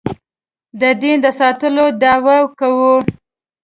د دین د ساتلو دعوه کوو.